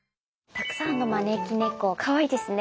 たくさんの招き猫かわいいですね。